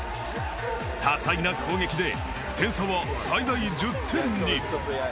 多彩な攻撃で点差は最大１０点に。